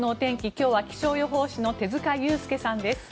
今日は、気象予報士の手塚悠介さんです。